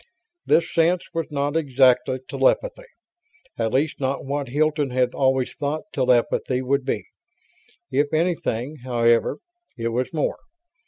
This sense was not exactly telepathy; at least not what Hilton had always thought telepathy would be. If anything, however, it was more.